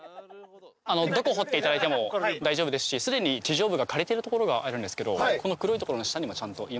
どこ掘っていただいても大丈夫ですしすでに地上部が枯れてる所があるんですけどこの黒い所の下にもちゃんと芋がありますので。